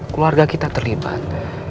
keluarga kita terlibat